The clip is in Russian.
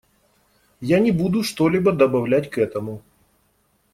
Я не буду что-либо добавлять к этому.